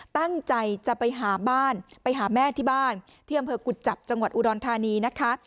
ตั้งใจจะไปหาบ้านไปหาแม่ที่บ้านที่อำเภอกุจจับจังหวัดอุดรธานีนะคะ